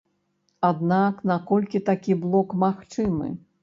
Аднак наколькі такі блок магчымы?